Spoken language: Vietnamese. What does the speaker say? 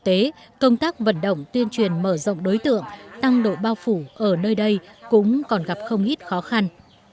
thực tế công tác vận động tuyên truyền mở rộng đối tượng tăng độ bao phủ ở nơi đây cũng còn gặp không ít khó khăn